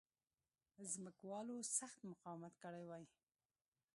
ځمکوالو سخت مقاومت کړی وای.